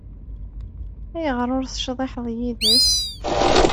Ayɣer ur tecḍiḥeḍ yid-s?